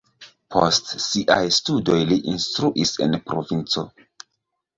Post siaj studoj li instruis en provinco.